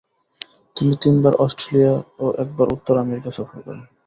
তিনি তিনবার অস্ট্রেলিয়া ও একবার উত্তর আমেরিকা সফর করেন।